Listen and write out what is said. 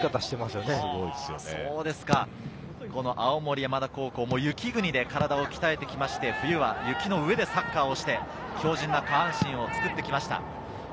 青森山田高校も雪国で体を鍛えてきまして、冬は雪の上でサッカーをして、強靭な下半身を作ってきました。